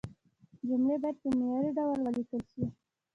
جملې باید په معياري ډول ولیکل شي.